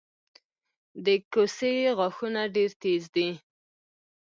د کوسې غاښونه ډیر تېز دي